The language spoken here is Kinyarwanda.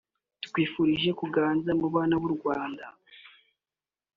tukwifurije kuganza mu bana b’u Rwanda